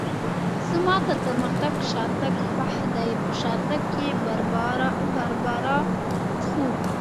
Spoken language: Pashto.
زما تر پرمختګ شاتګ خوښ دی، په شاتګ کې باربرا څښو.